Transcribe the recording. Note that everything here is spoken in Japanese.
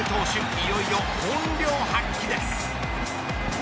いよいよ本領発揮です。